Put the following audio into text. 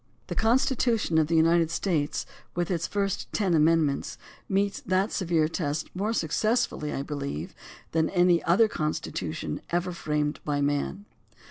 The Constitution of the United States, with its first ten Amendments, meets that severe test more success fully, I believe, than any constitution ever framed by man.